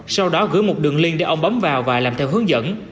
sau đó gửi một đường liên để ông bấm vào và làm theo hướng dẫn